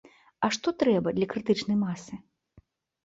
А што трэба для крытычнай масы?